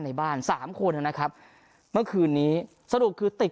ในสามคนแล้วนะครับเมืองคืนนี้สรุปคือติด